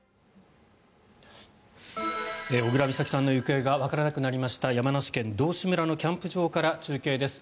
小倉美咲さんの行方がわからなくなりました山梨県道志村のキャンプ場から中継です。